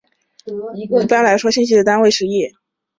一般来说信息的单位是页。